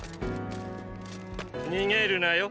逃げるなよ。